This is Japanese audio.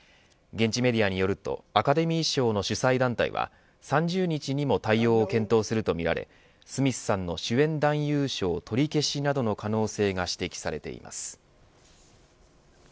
現地メディアによるとアカデミー賞の主催団体は３０日にも対応を検討するとみられスミスさんの主演男優賞取り消しなどの可能性が指摘されています。